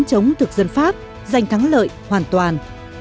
chống thực dân pháp giành thắng lợi hoàn toàn